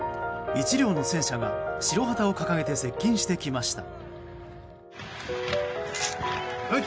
１両の戦車が白旗を掲げて接近してきました。